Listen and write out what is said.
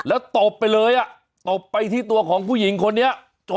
แล้วตบไปเลยอ่ะตบไปที่ตัวของผู้หญิงคนนี้